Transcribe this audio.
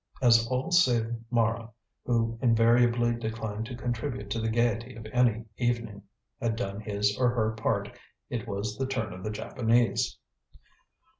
As all save Mara who invariably declined to contribute to the gaiety of any evening had done his or her part, it was the turn of the Japanese.